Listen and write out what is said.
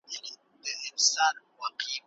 شګوفې وغوړیږي ښکلي سي سبا ته نه وي